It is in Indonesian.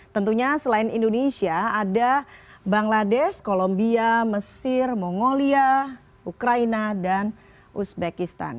tentunya selain indonesia ada bangladesh kolombia mesir mongolia ukraina dan uzbekistan